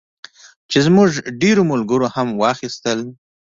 چې زموږ ډېرو ملګرو هم واخیستل.